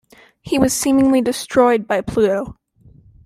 He was seemingly destroyed by Pluto.